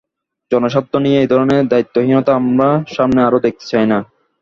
জনস্বার্থ নিয়ে এ ধরনের দায়িত্বহীনতা আমরা সামনে আর দেখতে চাই না।